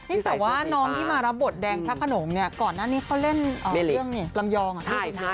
นี่แต่ว่านพี่น้องที่มารับบทแดงละขนมก่อนหน้านี้เขาเล่นเรื่องลำยอง